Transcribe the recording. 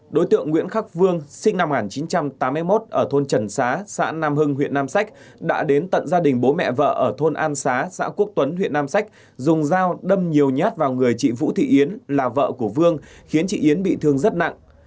đối tượng nguyễn khắc vương sinh năm một nghìn chín trăm tám mươi một ở thôn trần xá xã nam hưng huyện nam sách đã đến tận gia đình bố mẹ vợ ở thôn an xá xã quốc tuấn huyện nam sách dùng dao đâm nhiều nhát vào người chị vũ thị yến là vợ của vương khiến chị yến bị thương rất nặng